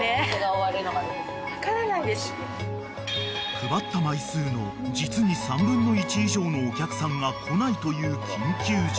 ［配った枚数の実に３分の１以上のお客さんが来ないという緊急事態］